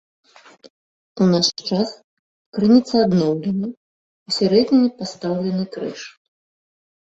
У наш час крыніца адноўлена, усярэдзіне пастаўлены крыж.